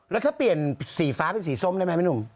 แล้วเธอเปลี่ยนสีฟ้าเป็นสีส้มได้ไหมพี่หนุ่ม